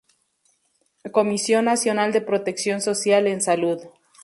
Comisión Nacional de Protección Social en Salud.